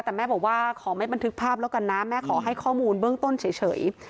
แต่แม่บอกว่าขอไม่บันทึกภาพแล้วกันนะแม่ขอให้ข้อมูลเบื้องต้นเฉย